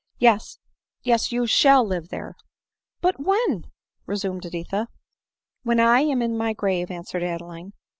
— yes, yes, you shall live there !"" But when ?" resumed Editha. " When I am in my grave," answered Adeline.